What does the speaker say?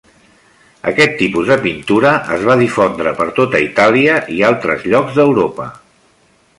Aquest tipus de pintura es va difondre per tota Itàlia i altres llocs d'Europa.